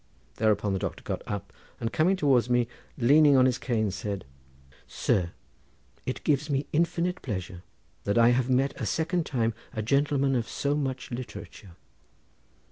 Thereupon the doctor got up, and coming towards me, leaning on his cane, said: "Sir! it gives me infinite pleasure that I have met a second time a gentleman of so much literature.